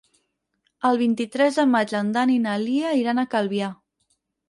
El vint-i-tres de maig en Dan i na Lia iran a Calvià.